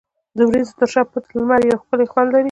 د وریځو تر شا پټ لمر یو ښکلی خوند لري.